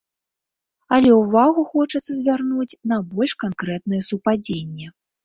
Але ўвагу хочацца звярнуць на больш канкрэтнае супадзенне.